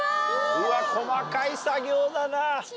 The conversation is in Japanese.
細かい作業だな。